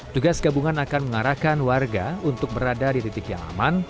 tugas gabungan akan mengarahkan warga untuk berada di titik yang aman